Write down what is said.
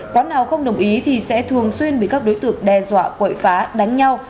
quán nào không đồng ý thì sẽ thường xuyên bị các đối tượng đe dọa quậy phá đánh nhau